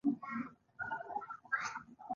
زه تل هڅه کوم وطن مې غوره شي.